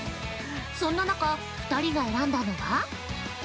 そんな中、２人が選んだのは？